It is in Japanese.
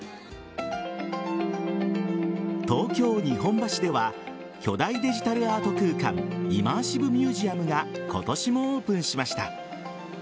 東京・日本橋では巨大デジタルアート空間イマーシブ・ミュージアムが今年もオープンしました。